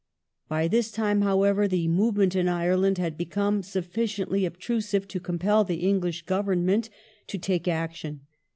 By this time, however, the movement in Ireland had become sufficiently obtrusive to compel the English Government to take action.